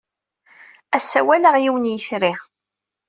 Ass-a, walaɣ yiwen n yitri.